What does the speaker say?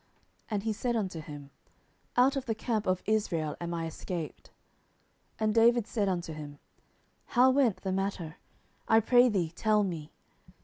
And he said unto him, Out of the camp of Israel am I escaped. 10:001:004 And David said unto him, How went the matter? I pray thee, tell me.